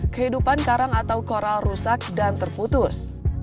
kehidupan karang atau koral rusak dan terputus